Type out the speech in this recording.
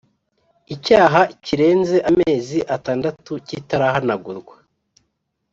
Icyaha kirenze amezi atandatu kitarahanagurwa